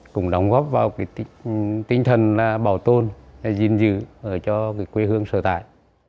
cũng đóng góp vào cái tinh thần bảo tồn diên dự ở cho cái quê hương sở tại